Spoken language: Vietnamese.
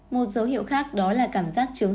một dấu hiệu khác đó là cảm giác chứng